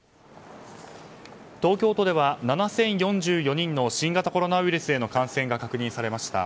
東京都では７０４４人の新型コロナウイルスへの感染が確認されました。